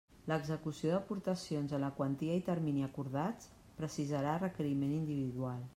L'execució d'aportacions en la quantia i termini acordats, precisarà requeriment individual.